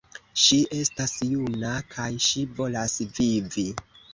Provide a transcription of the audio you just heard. Ŝi estas juna kaj ŝi volas vivi!